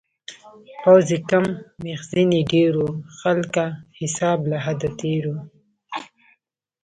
پوځ یې کم میخزن یې ډیر و-خلکه حساب له حده تېر و